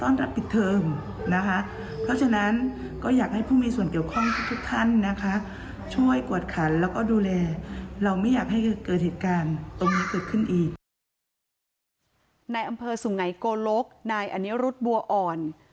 ในอำเภอสุไงโกลกนายอนิรุธบัวอ่อน